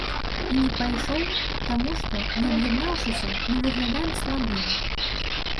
І не пайшоў, таму што, не аб'яднаўшыся, мы выглядаем слабымі.